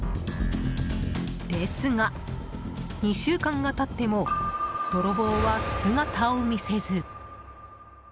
ですが、２週間が経っても泥棒は姿を見せず。